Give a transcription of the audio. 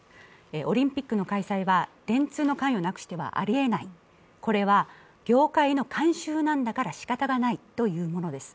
オリンピックの開催は電通の関与なくしてはありえない、これは業界の慣習だから仕方がないというものなんです。